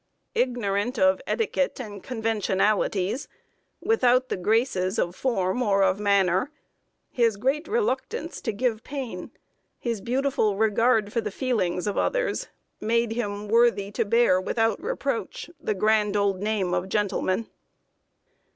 ] Ignorant of etiquette and conventionalities, without the graces of form or of manner, his great reluctance to give pain, his beautiful regard for the feelings of others, made him "Worthy to bear without reproach The grand old name of Gentleman."